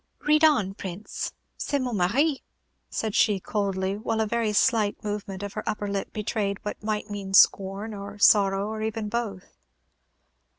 "Read on, Prince. C'est mon mari," said she, coldly, while a very slight movement of her upper lip betrayed what might mean scorn or sorrow, or even both.